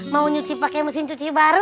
mau nyuci pakai mesin cuci baru